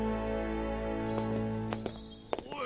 ・おい。